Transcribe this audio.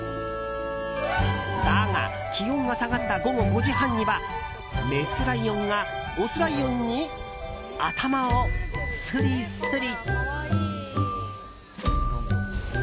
だが、気温が下がった午後５時半にはメスライオンがオスライオンに頭をすりすり。